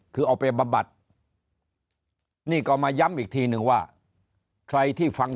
คือเอาไปบำบัดนี่ก็มาย้ำอีกทีนึงว่าใครที่ฟัง